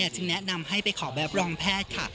จึงแนะนำให้ไปขอแบบรองแพทย์ค่ะ